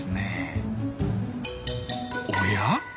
おや？